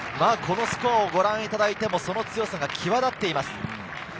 このスコアをご覧いただいても、その強さが際立っています。